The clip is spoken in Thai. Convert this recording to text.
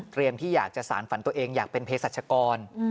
ที่อยากจะสารฝันตัวเองอยากเป็นเพศรัชกร